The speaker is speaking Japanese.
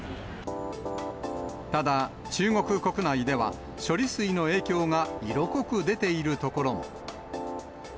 ただ、中国国内では、処理水の影響が色濃く出ている所も。